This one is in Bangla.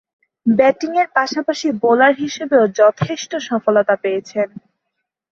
ব্যাটিংয়ের পাশাপাশি বোলার হিসেবেও যথেষ্ট সফলতা পেয়েছেন।